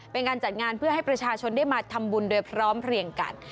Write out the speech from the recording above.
เป็นการจัดงานเพื่อให้ประชาชนได้มาทำบุญโดยพร้อมเพลียงกัน